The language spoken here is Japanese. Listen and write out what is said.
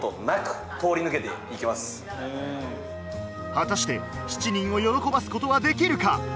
果たして７人を喜ばすことはできるか？